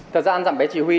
thật ra ăn dặm bé chỉ huy